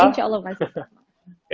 insya allah masih sama